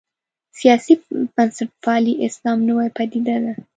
سیاسي بنسټپالی اسلام نوې پدیده ده.